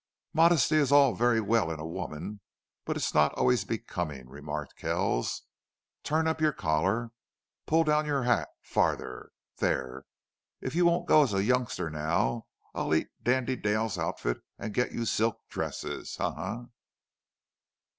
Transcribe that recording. "Modesty is all very well in a woman, but it's not always becoming," remarked Kells. "Turn up your collar.... Pull down your hat farther There! If you won't go as a youngster now I'll eat Dandy Dale's outfit and get you silk dresses. Ha ha!"